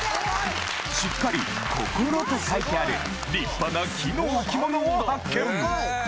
・しっかり「心」と書いてある立派な木の置き物を発見へえ。